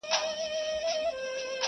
له هیواده د منتر د کسبګرو٫